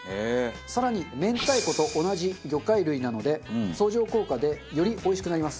更に明太子と同じ魚介類なので相乗効果でよりおいしくなります。